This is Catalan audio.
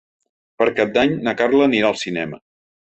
Per Cap d'Any na Carla anirà al cinema.